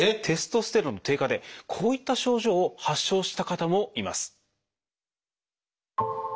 テストステロンの低下でこういった症状を発症した方もいます。